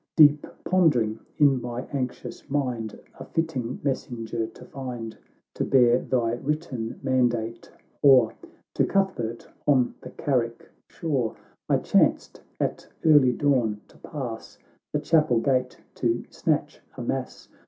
Deep pondering in my anxious mind, A fitting messenger to find, To bear thy written mandate o'er To Cuthbert on the Carrick shore, I chanced, at early dawn, to pass The chapel gate to snatch a mass.